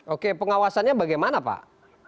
oke pengawasannya bagaimana pak